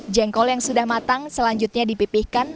jengkol yang sudah matang selanjutnya dipipihkan